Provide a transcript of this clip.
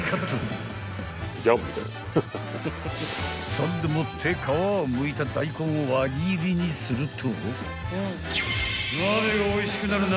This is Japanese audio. ［そんでもって皮をむいた大根を輪切りにすると］